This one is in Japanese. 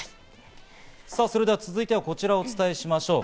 さぁ、続いてこちらをお伝えしましょう。